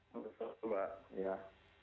selamat sore mbak